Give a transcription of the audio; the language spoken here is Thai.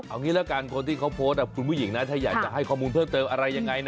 เอางี้ละกันคนที่เขาโพสต์คุณผู้หญิงนะถ้าอยากจะให้ข้อมูลเพิ่มเติมอะไรยังไงนะ